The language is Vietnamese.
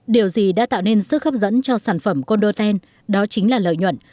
điều gì đã tạo nên sức hấp dẫn cho sản phẩm condotel đó chính là lợi nhuận